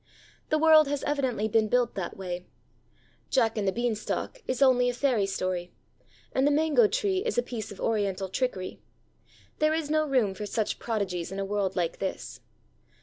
The world has evidently been built that way. Jack and the beanstalk is only a fairy story and the mango tree is a piece of Oriental trickery; there is no room for such prodigies in a world like this.